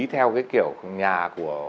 theo cái kiểu nhà của